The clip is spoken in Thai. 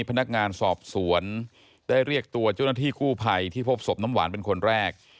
พนักงานสอบสวนได้เรียกตัวเจ้าหน้าที่กู้ภัยที่พบศพน้ำหวานเป็นคนแรก